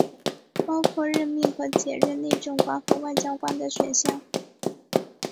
包括任命和解任内政管和外交官的选项。